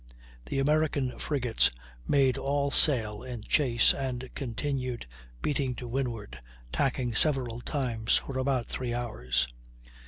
The American frigates made all sail in chase, and continued beating to windward, tacking several times, for about three hours.